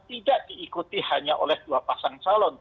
tidak diikuti hanya oleh dua pasangan salot